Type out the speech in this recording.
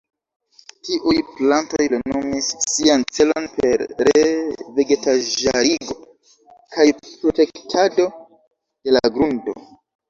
Tiuj plantoj plenumis sian celon per re-vegetaĵarigo kaj protektado de la grundo.